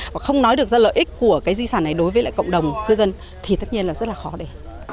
và không nói được ra lợi ích của cái di sản này đối với lại cộng đồng cư dân thì tất nhiên là rất là khó để